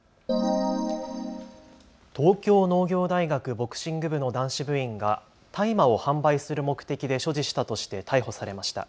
東京農業大学ボクシング部の男子部員が大麻を販売する目的で所持したとして逮捕されました。